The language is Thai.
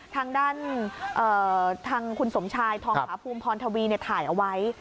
ทางด้านทางคุณสมชายทองผาภูมิพรทวีถ่ายเอาไว้